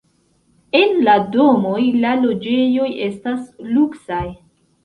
En la domoj la loĝejoj estas luksaj.